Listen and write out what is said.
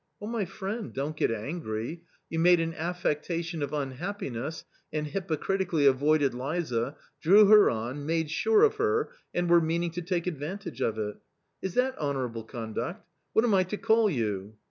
" Oh, my friend, don'tget angry. You made an affectation of unhappiness, and hypocritically avoided Liza, drew her on, made sure of her, and were meaning to take advantage of it. Is that honourable conduct? What am I to call you